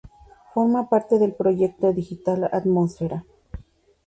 Forma parte del proyecto digital Atmósfera.